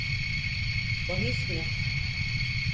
Bahis mi?